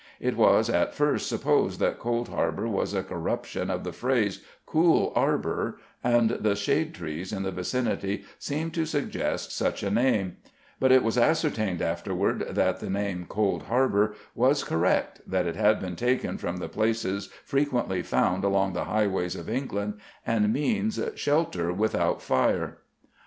It was at first supposed that Cold Harbor was a corrup tion of the phrase Cool Arbor, and the shade trees in the vicinity seemed to suggest such a name ; but it was ascertained afterward that the name Cold Harbor was correct, that it had been taken from the places frequently found along the highways of England, and means "shelter without fire."